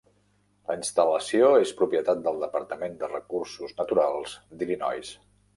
La instal·lació és propietat del Departament de recursos naturals d'Illinois.